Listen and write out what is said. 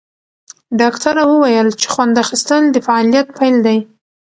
ډاکټره وویل چې خوند اخیستل د فعالیت پیل دی.